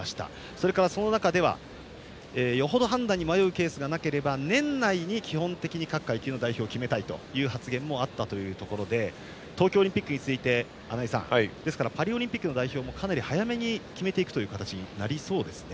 それから、その中ではよほど判断に迷うケースがなければ年内に基本的に各階級の代表を決めたいという発言もあったというところで東京オリンピックに続きパリオリンピックの代表もかなり早めに決めていくという形になりそうですね。